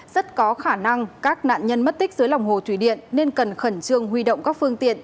rất có khả năng các nạn nhân mất tích dưới lòng hồ thủy điện nên cần khẩn trương huy động các phương tiện